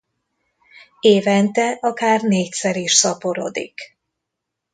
Évente akár négyszer is szaporodik.